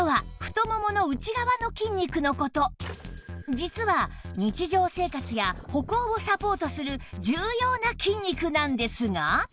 実は日常生活や歩行をサポートする重要な筋肉なんですが